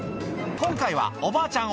今回はおばあちゃん